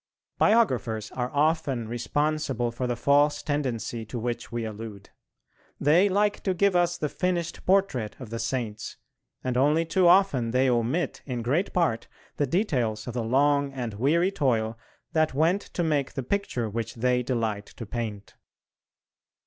Biographers are often responsible for the false tendency to which we allude. They like to give us the finished portrait of the Saints, and only too often they omit in great part the details of the long and weary toil that went to make the picture which they delight to paint.